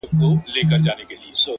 څوک یې وړونه څه خپلوان څه قریبان دي,